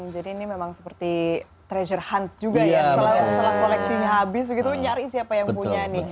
jadi ini memang seperti treasure hunt juga ya setelah koleksinya habis begitu nyari siapa yang punya nih